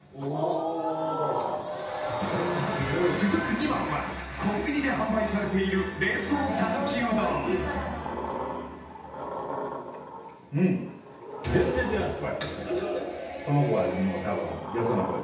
２番はコンビニで販売されている冷凍讃岐うどんうんですね